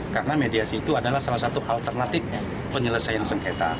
karena mediasi itu adalah salah satu alternatif penyelesaian sengketa